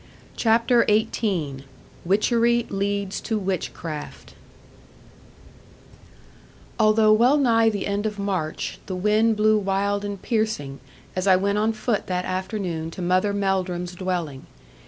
CHAPTER XVIII WITCHERY LEADS TO WITCHCRAFT Although wellnigh the end of March, the wind blew wild and piercing, as I went on foot that afternoon to Mother Melldrum's dwelling.